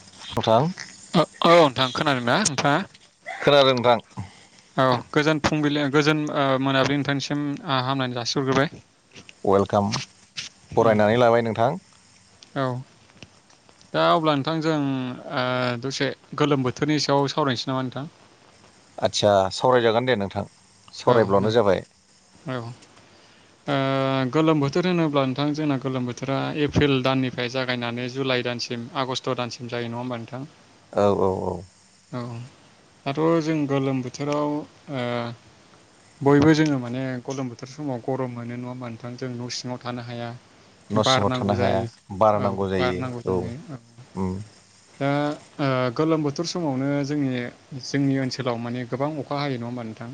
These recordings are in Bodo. [unintelligible] [unintelligible] औ नोंथां खोनादों ना नोंथाङा खोनादों नोंथां औ गोजोन फुंबिलि गोजोन ओ मोनाबिलि नोंथांसिम हामलायनाय जासिहरग्रोबाय वेलकाम उम बरायनानै लाबाय नोंथां औ। दा अब्ला नोंथां जों ओ दसे गोलोम बोथोरनि सायाव सावरायनोसै नामा नोंथां। आदसा सावरायजागोन दे नोंथां। औ नों सावरायब्लानो जाबाय औ ओ गोलोम बोथोर होनोब्ला नोंथां जोंना गोलोम बोथोरा एप्रिल दाननिफ्राय जागायनानै जुलाइ दानसिम आगष्ट। स्थ' दानसिम जायो नङा होमबा नोंथां। औ औ औ औ दाथ' जों गोलोम बोथोराव ओ बयबो जोङो माने गलम बोथोर समाव गरम मोनो नङा मोनथां जों न' सिङाव थानो हाया। न' सिङाव बारनांगौ थानो हाया जायो बार औ नांगौ जायो बारनांगौ जायो औ उम दा। ओ गोलोम बोथोर समावनो जोंनि जोंनि ओनसोलाव माने गोबां अखा हायो नङा होमबा नोंथां।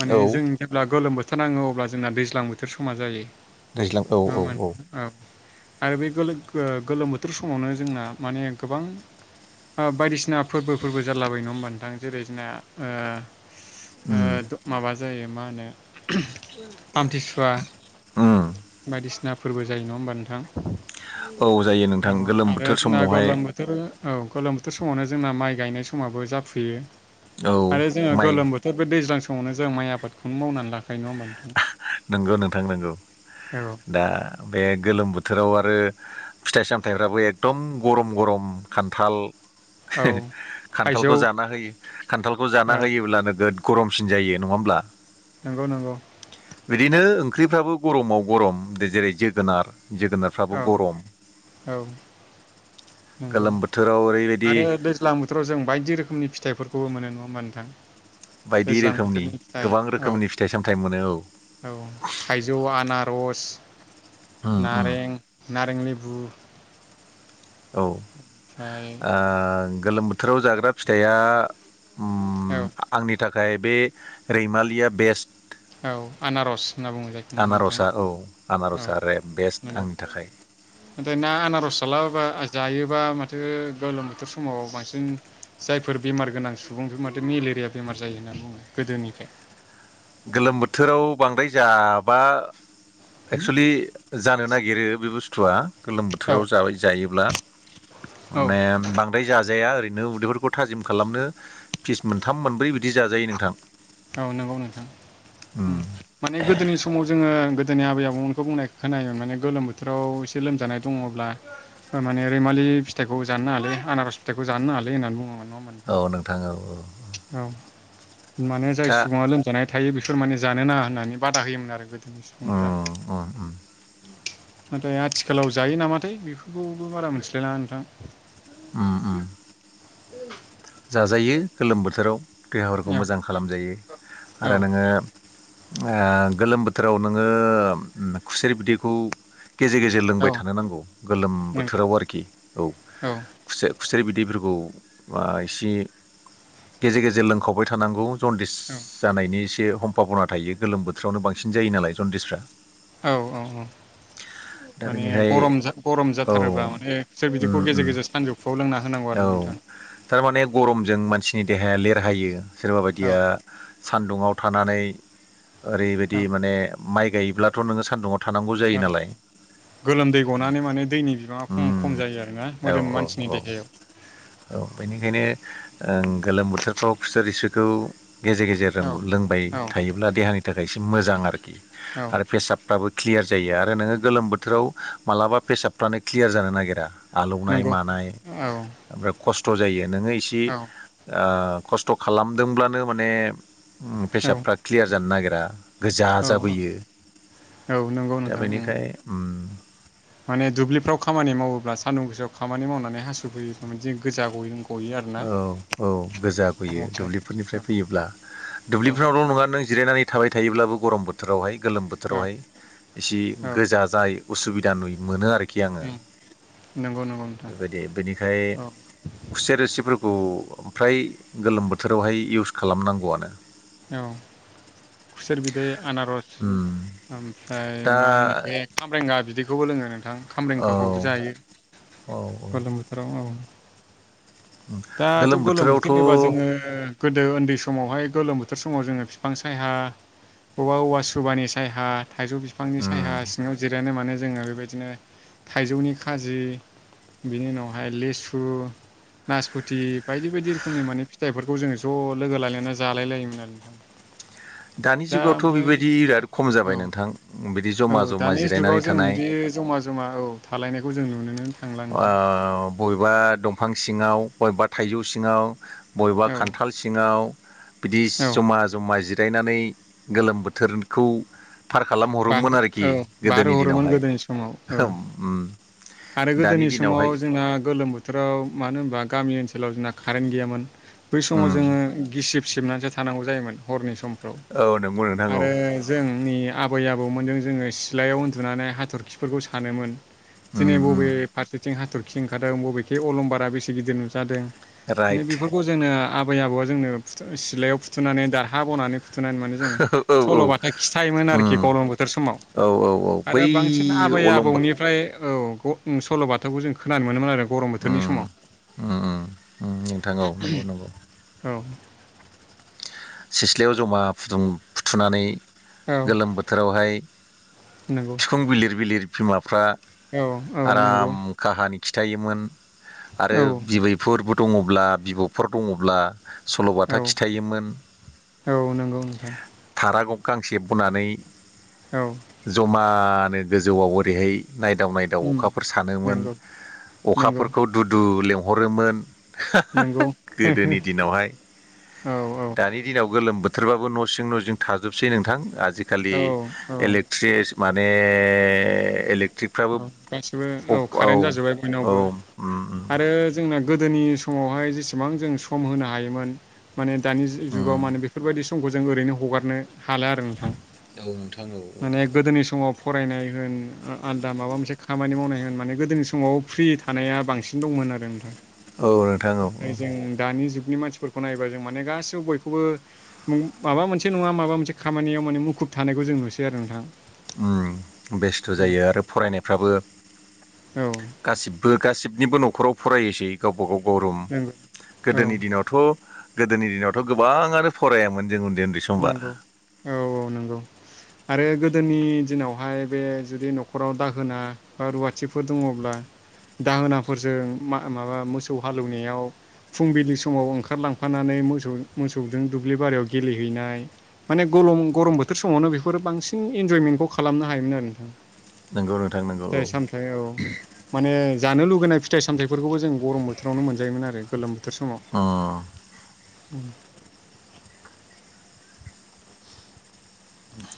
माने औ जों जेब्ला गोलोम बोथोर नाङो अब्ला जोंना दैज्लां बोथोर समा जायो। दैज्लां औ- नङा औ होमबा -औ-। नोंथां आरो बे गोलो ओ गोलोम बोथोर समावनो जोंना माने गोबां। ओ बायदिसिना फोरबोफोरबो जालाबाय नङा होमबा नोंथां जेरै जोंना ओ। उम [unintelligible] जायो मा होनो आमथिसुवा उम बायदिसिना। फोरबो जायो नङा होमबा नोंथां। औ जायो [unintelligible] नोंथां औ गोलोम बोथोर आरो जोंना समावहाय गलोम बोथोर औ गोलोम थोर समावनो जोंना माइ गायनाय समाबो जाफुयो औ आरो जोङो माइ गोलोम बोथोर बे दैज्लां फावनो जों माइ आबादखौनो मावनानै लाखायो नङा होमबा नोंथां। नोंगौ नोंथां नोंगौ औ दा बे गोलोम बोथोराव आरो फिथाइ सामथाइफ्राबो एकदम गरम गरम खान्थाल औ [unintelligible] थाइजौ खान्थालखौ जाना होयो खान्थालखौ जाना औ होयोब्लानो गोद गरमसिन जायो नङा होमब्ला? नंगौ नंगौ बिदिनो ओंख्रिफ्राबो गरमाव गरम जेरै जोगोनार जोगोनारफ्राबो औ गरम औ नंगौ गोलोम बोथोराव ओरैबायदि आरो दैज्लां बोथोराव जों बायदि रोखोमनि फिथाइफोर खौबो मोनो नङा होमबा नोंथां बायदि दैज्लां रोखोमनि बोथोरनि फिथाइ गोबां औ रोखोमनि फिथाइ सामथाइ मोनो औ। औ थाइजौ आनारस उम उम नारें नारें लेबु औ ओ ओमफ्राय गोलोम बोथोराव जाग्रा फिथाइया उ औ आंनि थाखाय बे रैमालिया बेस्ट। औ आनारस। होनना बुङो जायखौ नङा होमबा नोंथां आनारसा औ आनारसा रे बेस्ट आंनि थाखाय। ओमफ्राय ना आनारसाला बा जायो। बा माथो गोलोम बोथोर समाव बांसिन जायफोर बेमार गोनां सुबुंफोर माथो मेलेरेया बेमार बेमार जायो होनना बुङो गोदोनिफ्राय। गोलोम बोथोराव बांद्राय जाबा। एक्सुलि जानो नागिरो बे बुस्थुआ। गोलोम औ बोथोराव जाबाय जायोब्ला औ माने बांद्राय जाज जाया ओरैनो उदैफोरखौ थाजिम खालामनो फिस मोनथाम मोनब्रै बिदि जाजायो नोंथां। औ नंगौ नोंथां उ उम माने गोदोनि समाव जोङो गोद। जोंनि आबै आबौमोनखौ बुंनाय खोनायोमोन माने गोलोम बोथोराव एसे लोमजानाय दङ'ब्ला माने रैमालि। बे फिथाइखौ जानो नालाय आनारस फिथखौ जानो नालाय होननानै बुङोमोन। नङा ओमबा औ औ औ नोंथां औ। माने जाय दा सुबुङा लोमजानाय थायो बिफोर माने जानो नाङा होननानै बादा होयोमोन आरो गोद। बि सुबुंफोरा। उम उम उम नाथाय आथिखालाव जायो नामाथाय बेफोरखौबो बारा मोनथिलायलाङा नोंथां। उम उम। [inaudible] जाजायो गोलोम बोथोराव देहाफोरखौ औ मोजां खालामजायो आरो औ नोङो गोलोम बोथोराव नोङो खुसेर बिदैखौ गेजेर गेजेर लोंबाय औ थानो नांगौ गोलोम नंगौ बोथोराव आरोखि औ खुसेर। खुसेर बिदैफोरखौ एसे गेजेर गेजेर लोंखावबाय थानांगौ। जन्दिस जानायनि एसे सम्भाबना थायो गोलोम बोथोरावनो बांसिन जायो नालाय जन्दिसफ्रा। औ औ औ। दा माने बेनिखाय गरम गरम औ जाथारोबा माने बि बिदिखौ उम उम गेजेर गेजेर सानजौफुआव लोंना होनांगौ आरो नोंथां। [inaudible] माने गरमजों मानसिनि देहाया लेरहायो सोरबा बायदिया औ औ सान्दुङाव थानानै ओरैबायदि औ माने माइ गायोब्लाथ' नोङो सान्दुङआव नांगौ जायो नालाय। गोलोमदै गनानै माने दैनि बिबाङा खम उम खम जायो आरोना औ मोदोम औ मानसिनि औ देहायाव। औ बेनिखायनो गोलोम बोथोरफ्राव खुसेर रिसुखौ गेजेर गेजेर औ लोंबाय औ थायोब्ला देहानि थाखाय एसे मोजां आरोखि औ आरो फेसाबफ्राबो क्लियार जायो आरो नोङो गोलोम बोथोराव मालाबा फेसाबफ्रानो क्लियार जानो नागिरा। आलौनाय नंगौ मानाय औ ओमफ्राय खस्थ' जायो नोङो इसे औ खस्थ' खालामदोंब्लानो माने औ पेसाबफ्रा क्लियार जानो नागिरा गोजा औ जाबोयो। औ नंगौ दा नोंथां उम बेनिखाय उम। माने दुब्लिफ्राव खामानि मावोब्ला सान्दुं गोसोआव खामानि मावनानै हासु फैयोब्ला गोजा गयो नंगौ। औ औ गोजा गैयो समाव जायो दुब्लिफोरनिफ्राय फैयोब्ला औ दुब्लिफोरावल' नङा नों जिरायनानै थाबाय थायोब्लाबो गरम बोथोरावहाय गोलोम बोथोरावहाय एसे औ गोजा जाय उसुबिदा नुयो मोनो आरोखि। खि आङो उम नंगौ नंगौ नोंथां बेबायदि बेनिखाय औ खुसेर रोसि खौ फ्राय गोलोम बोथोरावहाय इउस खालामनांगौआनो। औ खुसेर बिदै। आनारस उम ओमफ्राय दा मा होनो बे खाम्रेंगा बिदिखौबो लोङो नोंथां। औ खाम्रेंखाखौबो जायो औ गोलोम बोथोराव औ। दाथ' गोलोम बोथोर होनबा जोङो गोदो उन्दै समावहाय गोलोम बोथोर बोथोर समाव जोङो बिफां सायहा बबेबा औवा सुबानि साय हा थाइजौ बिफांनि उम साय हा सिङाव जिरायनो माने जोङो बेबायदिनो थाइजौनि खाजि बिनि उनावहाय लिसु नासफुथि बायदि बायदि रोखोमनि माने फिथाइफोरखौ जोङो ज' लोगो लायनानै जालाय लायोमोन आरो। नोंथाङा। दानि जुगावथ' बेबायदि बिराद खम जाबाय औ नोंथां। जमा औ जमा दानि जुगाव जिरायनानै जों थानाय बिदि जमा जमा औ थालायनायखौ जों नुुनोनो बबेबा दंफां सिङाव बबेबा थाइजौ सिङाव बबेबा औ खान्थाल सिङाव बिदि औ जमा जमा जि जायनानै गोलोम बोथोरखौ फार खालाम बारहो हरोमोन आरोखि औ गोदोनि बारहोहरोमोन दिनावहाय। गोदोनि समाव औ आरो दानि गोदोनि समाव दिनावहाय जोंना गोलोम बोथोराव मानो होनबा गामि ओनसोलाव जोंना कारेन्ट गैयामोन बै समाव उम जोङो गिसिब सिबनानैसो थानांगौ जायोमोन हरनि समफ्राव औ नंगौ नोंथां औ आरो जोंनि आबै आबौमोनजों जोङो सिलायाव उन्दुनानै हाथरखिफोरखौ सानोमोन। उम दिनै बबे उम फारसेथिं हाथरखि ओंखारदों बबेखे अलंबारा बेसे गिदिर नुजादों राइट बेफोरखौ जोङो आबै आबौआ जोंनो सिलायाव फुथुनानै दारहा बनानै फुथु थुनानै मोनो जोङो औ औ औ सल'बाथा खिथायोमोन उम आरोखि गरम बोथोर समाव। औ औ औ आरो बै बांसिन आबै अलंबा आबौनिफ्राय औ सल' बाथौखौ जों खोनानो मोनोमोन आरो गरम बोथोरनि उम उम उम उम नोंथां औ नंगौ नंगौ समाव औ सिथ्लायाव जमा फुथुनानै औ गोलोम बोथोरावहाय नंगौ बिखुं बिलिर बिलिर बिमाफ्रा औ औ नंगौ आराम काहानि खिथायोमोन आरो औ बिबैफोरबो दङब्ला बिब'फोर दङब्ला औ सल'बाथा खिथायोमोन। औ नंगौ नोंथां रागब गांसे बानै औ जमानो गोजौआव ओरैहाय नायदाव नायदाव अखाफोर सानोमोन नंगौ नंगौ अखाफोरखौ दुदु लेंंहरोमोन नंगौ गोदोनि दिनावहाय औ औ दानि दिनाव गोलोम बोथोरबाबो न' सिं न' सिं थाजोबसै नोंथां आजिखालि औ औ इलेक्ट्रिस माने इलेक्ट्रिकफ्राबो औ गाससिबो औ कारेन्ट जाजोबबाय औ बयनावबो उम आरो जोंना गोदोनि समावहाय जेसेबां जों सम होनो हायोमोन माने दानि जुगाव उम माने बेफोरबायदि समखौ जों ओरैनो हगारनो हाला आरो नोंथां औ नोंथां औ माने गोदोनि समाव फरायनाय होन आलदा माबा मोनसे खामानि मावनाय होन माने गोदोनि समाव फ्रि थानाया बांसिन दंमोन आरो नोंथां औ नोंथां औ फ्राय जों दानि जुग नि मानसिफोरखौ नायबा जों माने गासिबो बयखौबो माबा मोनसे नङा माबा मोनसे खामानियाव माने मुखुब थानायखौ जों नुसै आरो नोंथां बेस्थ' जायो आरो फरायनायफ्राबो औ गासिबो गासिबनिबो न'खराव फरायायोसै गावबा गाव गरम नंगौ औ गोदोनि दिनावथ' गोदोनि दिनावथ' गोबाङानो फरायामोन जों उन्दै उन्दै समबा नंगौ औ औ नंगौ आरो गोदोनि दिनावहाय बे जुदि न'खराव दाहोना बा रुवाथिफोर दङब्ला दाहोनाफोरजों माबा मोसौ हालौवनायाव फुंबिलि समाव ओंखारलांफानानै मोसौ मोसौजों दुब्लि बारियाव गेलेयो हैनाय माने गरम बोथोर समावनो बेफोरो बांसिन इनजयमेन्टखौ खालामनो हायोमोन आरो नोंथां नंगौ नोंथां नंगौ औ फिथाइ सामथाय औ माने जानो लुगैनाय फिथाइ सामथायफोरखौबो जों गरम बोथोरावनो मोनजायोमोन आरो गोलोम बोथोर समाव उम उम।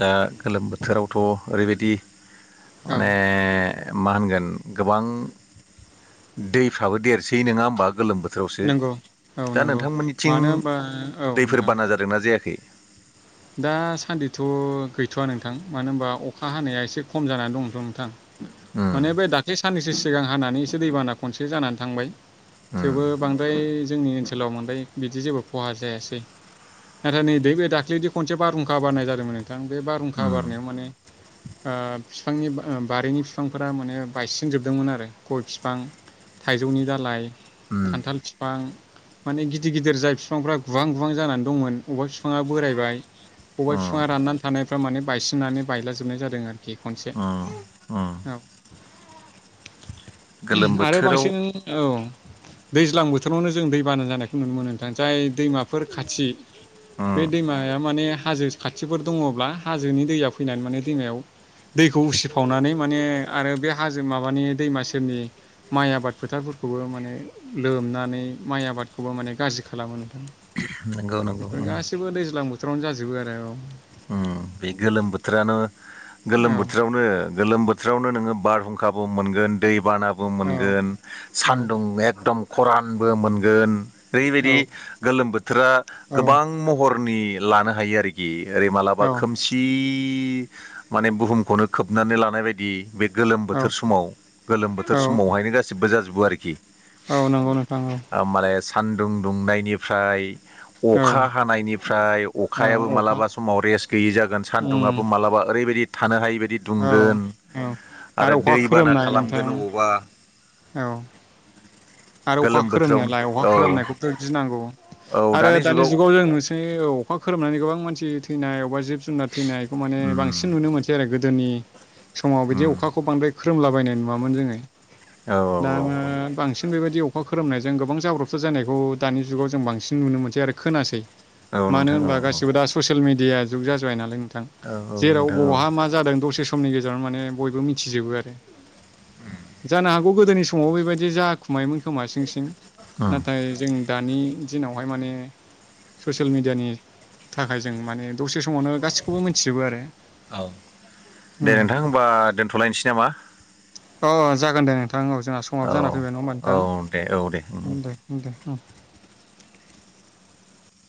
दा गोलोम बोथोरावथ' ओरैबायदि औ माने मा होनगोन गोबां दैफ्राबो देरसै नङा होमबा गोलोम बोथोराव नंगौ औ बोथोरावसो दा नंगौ नोंथांमोननिथिं मानो होनबा औ दैफोर नोंथां बाना जादोंना जायाखै। दासान्दिथ' गैथ'वा नोंथां मानो होनबा अखा हानाया एसे खम जानानै दंथ' नोंथां। उम माने बे दाख्लै साननैसो सिगां हानानै एसे दैबाना खनसे जानानै थांबाय। उम थेवबो बांद्राय जोंनि ओनसोलाव मोनबाय बिदि जेबो खहा जायासै नाथाय नै दे बे दाख्लिनि बिदि खनसे बारहुंखा बारनाय जादोंमोन नोंथां बे बारहुंखा उम बारनायाव माने ओ बिफांनि बारिनि बिफांफोरा माने बायसिन जोबदोंमोन आरो गय फिफां थाइजौनि दालाइ उम खान्थाल बिफां माने गिदिर गिदिर जाय बिफांफ्रा गोबां गोुबां जानानै दंमोन बबेबा बिफाङा बोरायबाय बबेबा उम बिफाङा राननानै थानायफ्रा माने बायसिननानै बायलाजोबनाय जादों आरो। खि खनसे उम उम औ गोलोम आरो बोथोराव बांसिन औ। दैज्लां बोथोरावनो जों दैबाना जानायखौ नुनो मोनो नोंथां जाय दैमाफोर खाथि बे उम दैमाया माने हाजो खाथिफोर दङब्ला हाजोनि दैया फैनानै माने दैमायाव दैखौ उसिफावनानै माने आरो बे हाजो माबानि दैमा सेरनि माइ आबाद फोथारखौ खौबो माने लोमनानै माइ आबादखौबो माने गाज्रि खालामो। नंगौ नंगौ बेफोर उम गासैबो दैज्लां बोथोरावनो जाजोबो आरो औ। उम बे गोलोम बोथोरानो औ गोलोम बोथोरावनो गोलोम बोथोरावनो नोङो बारहुंखा ब मोनगोन दैबानाबो औ मोनगोन औ सान्दुं एकदम खरानबो मोनगोन ओरैबायदि औ गोलोम बोथोरा गोबां महरनि लानो हायो आरोखि। ओरै औ मालाबा खोमसि माने बुहुमखौनो खोबनानै लानाय बायदि बे गोलोम औ बोथोर समाव गोलोम बोथोर औ समावहायनो गासिबो जाजोबो आरोखि। औ नंगौ नोंथां औ सान्दुं दुंनायनिफ्राय अखा औ हानायनिफ्राय अखायाबो औ अखा मालाबा सम समाव रेस गैयै जागोन सान्दुंङाबो उम मालाबा ओरैबायदि थानो हायै बाय दि‌ औ दुंगोन औ आरो अखा दैबाना खोरोमनाय नोंथां खालामगोन अबावबा औ आरो अखा गोलोम बोथोरावनो खोरोमनायालाय अखा औ खोरोमनायखौबो गिनांगौ। आरो दानि जुगाव जों नुसै अखा खोरोमनानै गोबां मानसि थैनाय अबा जिब जुनार थैनायखौ माने उम बांसिन नुनो मोनसै आरो गोदोनि समाव बिदि उम अखाखौ बांद्राय खोरोमलाबायनाय नुवामोन जोङो औ औ दा औ बांसिन बेबायदि अखा खोरोमनायजों गोबां जाब्रबसार जानायखौ दानि जुगाव जों बांसिन नुनो मोनसै आरो खोनासै। औ मानो नोंथां औ होनबा गासिबो दा ससियेल मि दिया जुग जाजोब्बाय नालाय नोंथां औ औ जेराव नोंथां औ बवहा मा जादों दसे समनि गेजेराव माने बयबो मिथिजोबो आरो जानो हागौ गोदोनि समाव बेबायदि जा खुमायोन खोमा सिं सिं उम नाथाय जों दानि दिनावहाय माने ससियेल मिडियानि थाखाय जों माने दसे समावनो गासिखौबो मिथिजोबो आरो औ दे उम। नोंथां होमबा दोनथ'लायनोसै नामा अ जागोन दे नोंथां औ जोंना समाबो औ जाना फैबाय नङा होमबा औ दे औ दे उम नोंथां दे दे। हौ